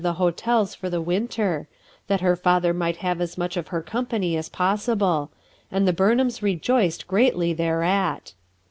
59 the hotels for the winter, that her father might have as much of her company as possible; and t he Burnhams rejoiced greatly thereat.